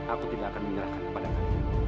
aku tidak akan menyerahkan kepadamu